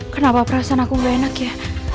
kenapa perasaan aku gak enak ya